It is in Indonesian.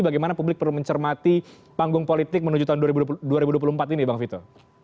bagaimana publik perlu mencermati panggung politik menuju tahun dua ribu dua puluh empat ini bang vito